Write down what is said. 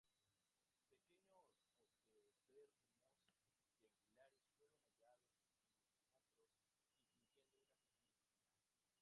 Pequeños osteodermos triangulares fueron hallados en los hombros, incluyendo una pequeña espina.